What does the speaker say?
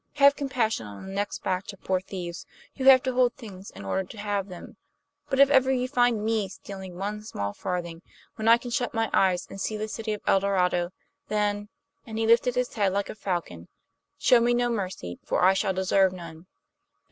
Have compassion on the next batch of poor thieves, who have to hold things in order to have them. But if ever you find ME stealing one small farthing, when I can shut my eyes and see the city of El Dorado, then" and he lifted his head like a falcon "show me no mercy, for I shall deserve none."